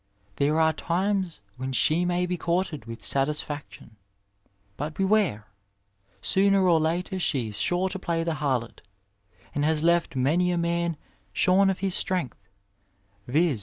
There are times when she may be courted with satisfaction, but beware ! sooner or later she is sure to play the harlot, and has left many a man shorn of his strength, viz.